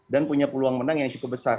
dan punya peluang menang yang cukup besar